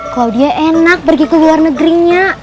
kalau dia enak pergi ke luar negerinya